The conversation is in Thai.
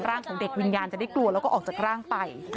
ของเด็กวิญญาณจะได้กลัวแล้วก็ออกจากร่างไป